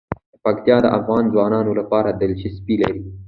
پکتیا د افغان ځوانانو لپاره دلچسپي لري.